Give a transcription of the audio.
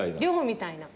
寮みたいな。